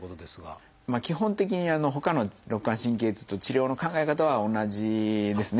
基本的にほかの肋間神経痛と治療の考え方は同じですね。